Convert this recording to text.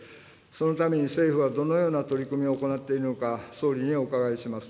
そのために政府はどのような取り組みを行っているのか、総理にお伺いします。